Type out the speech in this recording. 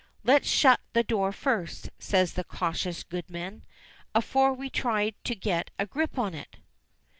"Let's shut the door first," says the cautious goodman, "afore we try to get a grip on it."